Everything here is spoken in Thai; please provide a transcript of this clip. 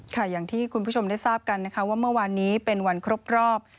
อย่างที่คุณผู้ชมได้ทราบกันนะคะว่าเมื่อวานนี้เป็นวันครบรอบ